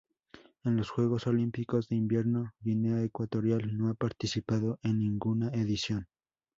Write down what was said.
En los Juegos Olímpicos de Invierno Guinea Ecuatorial no ha participado en ninguna edición.